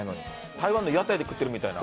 台湾の屋台で食ってるみたいな。